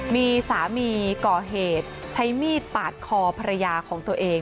มีสามีก่อเหตุใช้มีดปาดคอภรรยาของตัวเอง